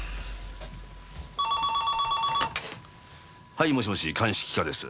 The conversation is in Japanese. はいもしもし鑑識課です。